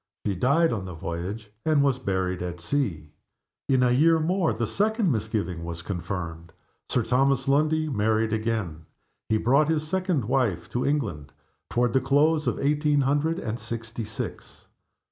She died on the voyage, and was buried at sea. In a year more the second misgiving was confirmed. Sir Thomas Lundie married again. He brought his second wife to England toward the close of eighteen hundred and sixty six.